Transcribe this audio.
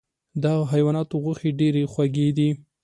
د هغو حیواناتو غوښې ډیرې خوږې دي .